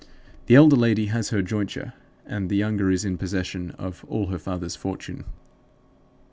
The elder lady has her jointure, and the younger is in possession of all her father's fortune.